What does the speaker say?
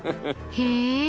へえ。